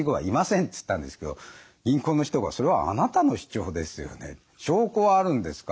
つったんですけど銀行の人が「それはあなたの主張ですよね。証拠はあるんですか？」